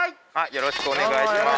よろしくお願いします。